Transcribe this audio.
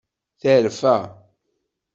Terfa.